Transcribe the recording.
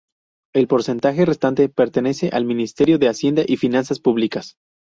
El porcentaje restante pertenece al Ministerio de Hacienda y Finanzas Públicas.